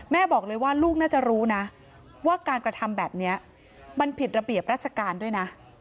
แม่บอกเลยว่าลูกน่าจะรู้นะว่าการกระทำแบบนี้มันผิดระเบียบราชการด้วยนะ